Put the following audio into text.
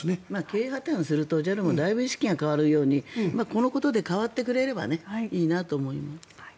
経営破たんするとＪＡＬもだいぶ意識が変わるようにこのことで変わってくれればいいなと思います。